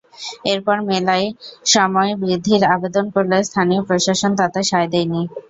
এরপর মেলার সময় বৃদ্ধির আবেদন করলে স্থানীয় প্রশাসন তাতে সায় দেয়নি।